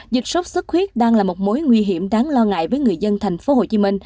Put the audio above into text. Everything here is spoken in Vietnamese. dịch sốt xuất huyết đang là một mối nguy hiểm đáng lo ngại với người dân tp hcm